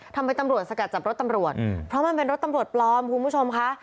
ทำไมตำรวจสกัดจับรถตำรวจเพราะมันเป็นรถตำรวจปลอมคุณผู้ชมค่ะ